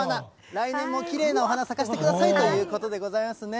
来年もきれいなお花、咲かせてくださいということでございますね。